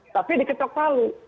tapi diketok palu